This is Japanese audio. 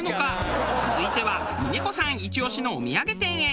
続いては峰子さんイチ押しのお土産店へ。